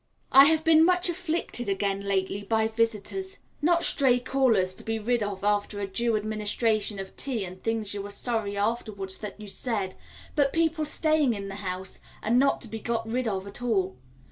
I have been much afflicted again lately by visitors not stray callers to be got rid of after a due administration of tea and things you are sorry afterwards that you said, but people staying in the house and not to be got rid of at all.